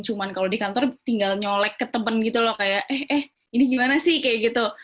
cuma kalau di kantor tinggal nyolek ke temen gitu loh kayak eh eh ini gimana sih kayak gitu